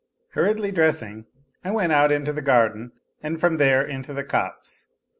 Hurriedly dressing I went out into the garden and from there into the copse.